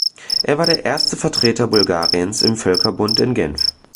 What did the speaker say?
Er war der erste Vertreter Bulgariens im Völkerbund in Genf.